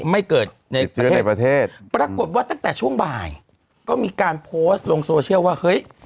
ไม่เกิดในประเทศปรากฏว่าตั้งแต่ช่วงบ่ายก็มีการโพสต์ลงโซเชียลว่าเฮ้ย